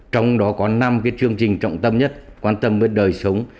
trong đó có năm cái chương trình trọng tâm nhất quan tâm với đời sống